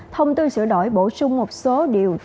thông tin sửa đổi bổ sung một số điều